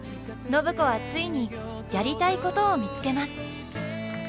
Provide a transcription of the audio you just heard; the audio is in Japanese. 暢子はついにやりたいことを見つけます。